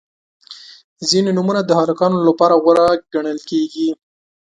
• ځینې نومونه د هلکانو لپاره غوره ګڼل کیږي.